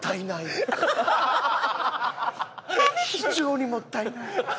非常にもったいない。